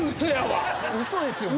嘘ですよね。